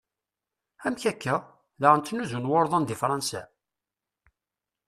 Amek akka? Daɣen ttnuzun wurḍan di Fransa?